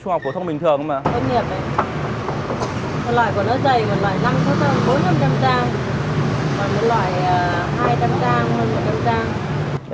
cho vào lòng bàn tay này này